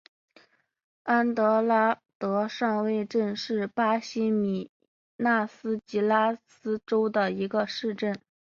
安德拉德上尉镇是巴西米纳斯吉拉斯州的一个市镇。